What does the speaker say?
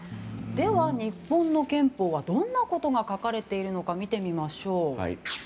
では日本の憲法はどんなことが書かれているのか見てみましょう。